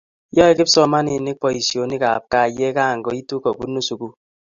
yoe kipsomaninik boisinik ab kaa ye kankoitu kobunuu sukul